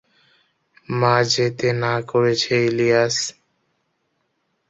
মা যেতে না করেছে ইলিয়াস!